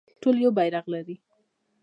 ټول یو بیرغ لري